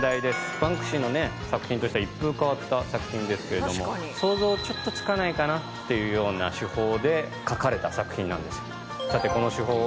バンクシーの作品としては一風変わった作品ですけれども想像ちょっとつかないかなっていうような手法で描かれた作品なんです。